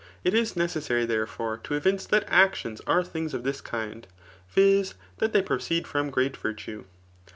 It is necessary, thex;e£oret, to evince that actions are things of this kind [viz; that they {Um:e6d from great virtue.